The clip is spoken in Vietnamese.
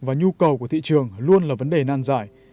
và nhu cầu của thị trường luôn là vấn đề nan giải